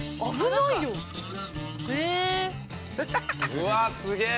うわすげえ！